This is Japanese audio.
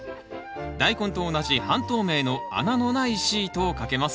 ダイコンと同じ半透明の穴のないシートをかけます